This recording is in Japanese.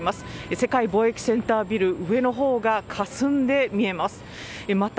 世界貿易センタービル上の方が、かすんで見えます。